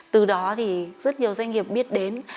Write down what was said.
từ đó thì rất nhiều doanh nghiệp biết đến